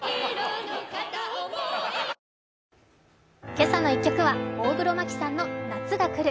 「けさの１曲」は大黒摩季さんの「夏が来る」。